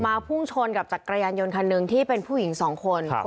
พุ่งชนกับจักรยานยนต์คันหนึ่งที่เป็นผู้หญิงสองคน